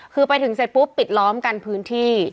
คือไปถึงเสร็จปุ๊บปิดล้อมกันพื้นที่